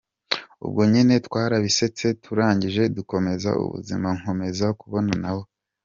Ubwo nyine twarabisetse turangije dukomeza ubuzima nkomeza kubana nabo.